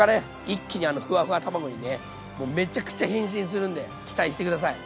一気にあのフワフワ卵にねめちゃくちゃ変身するんで期待して下さい！